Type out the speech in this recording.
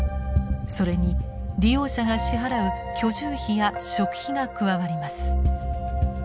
それに利用者が支払う居住費や食費が加わります。